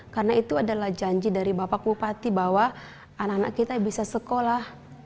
karena itu adalah janji dari bapak bupati bahwa anak kita bisa sekolah